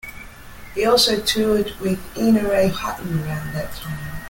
He also toured with Ina Ray Hutton around that time.